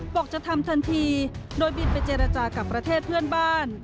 บอกจะทำทันทีโดยบินไปเจรจากับประเทศเพื่อนบ้าน